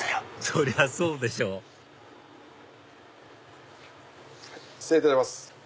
そりゃそうでしょ失礼いたします。